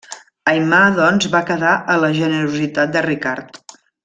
Aimar doncs va quedar a la generositat de Ricard.